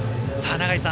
永井さん